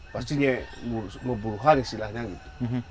pastinya memburuhkan istilahnya gitu